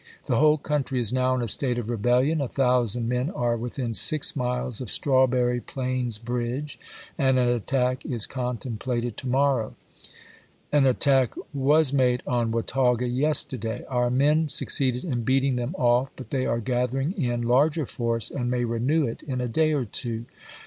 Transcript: The whole country is now in a state of rebellion ; a thousand men are within six miles of Strawberry Plains Bridge, and an attack is contemplated to morrow. .. An attack was made on Watauga yesterday. Our men suc ceeded in beating them off, but they are gathering in larger force and may renew it in a day or two.